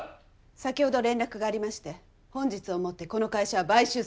先ほど連絡がありまして本日をもってこの会社は買収されるそうです。